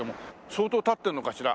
相当経ってるのかしら？